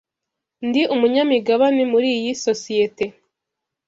Ndi umunyamigabane muri iyi sosiyete.